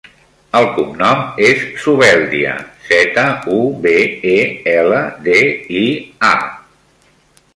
El cognom és Zubeldia: zeta, u, be, e, ela, de, i, a.